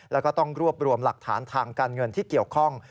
แล้วก็ต้องรวบรวมหลักฐานทางการเงินที่เกี่ยวข้อง